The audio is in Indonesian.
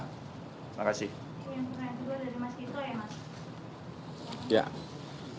ada pertanyaan dari mas gito ya mas